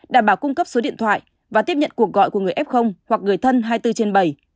đảm bảo cung cấp số điện thoại và tiếp nhận cuộc gọi của người f hoặc người thân hai mươi bốn trên bảy